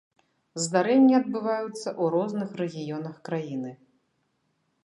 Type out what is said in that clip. Здарэнні адбываюцца ў розных рэгіёнах краіны.